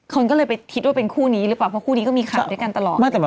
คนก็เลยไปคิดว่าเป็นคู่นี้หรือเปล่าเพราะคู่นี้ก็มีข่าวด้วยกันตลอด